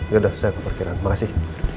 yaudah saya ke parkiran makasih